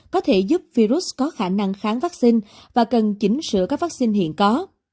có thể giúp virus có khả năng kháng vắc xin và cần chỉnh sửa các vắc xin hiện có